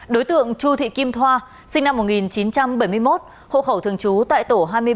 đối tượng chu thị kim thoa sinh năm một nghìn chín trăm bảy mươi một hộ khẩu thường trú tại tổ hai mươi bảy